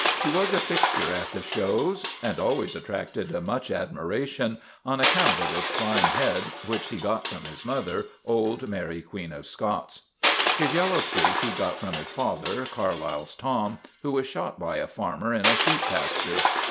He was a fixture at the shows, and always attracted much admiration on account of his fine head, which he got from his mother, old Mary Queen of Scots. His yellow streak he got from his father, Carlyle's Tom, who was shot by a farmer in a sheep pasture.